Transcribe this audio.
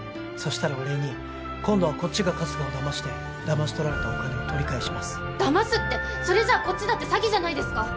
したらお礼に今度はこっちが春日を騙して騙し取られたお金を取り返します「騙す」ってそれじゃこっちだって詐欺じゃないですか